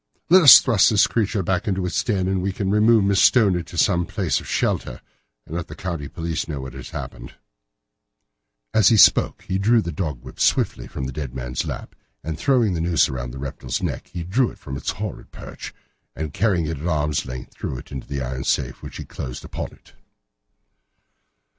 Let us thrust this creature back into its den, and we can then remove Miss Stoner to some place of shelter and let the county police know what has happened." As he spoke he drew the dog whip swiftly from the dead man's lap, and throwing the noose round the reptile's neck he drew it from its horrid perch and, carrying it at arm's length, threw it into the iron safe, which he closed upon it.